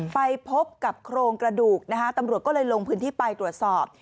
ไปพบกับโครงกระดูกนะคะตำรวจก็เลยลงพื้นที่ไปตรวจสอบ